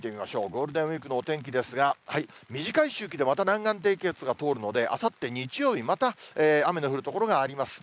ゴールデンウィークのお天気ですが、短い周期でまた南岸低気圧が通るので、あさって日曜日、また雨の降る所があります。